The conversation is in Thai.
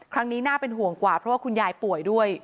น่าเป็นห่วงกว่าเพราะว่าคุณยายป่วยด้วย